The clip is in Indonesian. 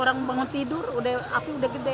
orang bangun tidur udah aku udah gede